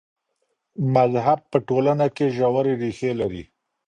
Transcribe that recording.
مذهب په ټولنه کي ژورې ريښې لري.